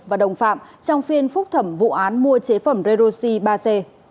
và đồng phạm trong phiên phúc thẩm vụ án mua chế phẩm redoxi ba c